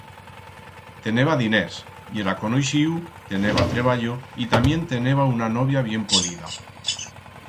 Teneba diners, yera conoixiu, teneba treballo, y tamién teneba una novia bien polida.